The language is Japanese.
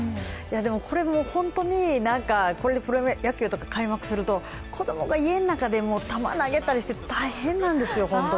これも本当に、これでプロ野球とか開幕すると子供が家の中で球投げたりして大変なんですよ。